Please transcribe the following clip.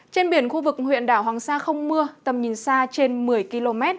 trên biển khu vực huyện đảo hoàng sa không mưa tầm nhìn xa trên một mươi km